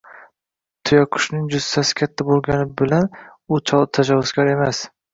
Tuyaqushning jussasi katta bo‘lgani bilan u tajovuzkor emas.